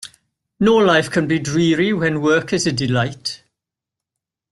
No life can be dreary when work is a delight.